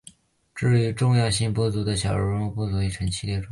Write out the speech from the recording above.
至于重要性不足的小人物不会被陈列其中。